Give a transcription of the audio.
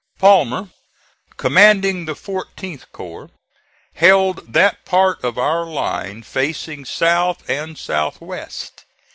Palmer, commanding the 14th corps, held that part of our line facing south and southwest.